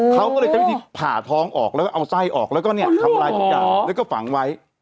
เขาก็เลยใช้วิธีผ่าท้องออกแล้วก็เอาไส้ออกแล้วก็เนี่ยทำลายทุกอย่างแล้วก็ฝังไว้